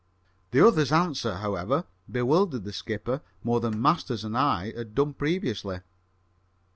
The other's answer, however, bewildered the skipper more than Masters and I had done previously.